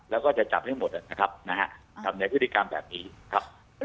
แล้วก็จะจับให้หมดนะครับนะฮะทำในพฤติกรรมแบบนี้ครับ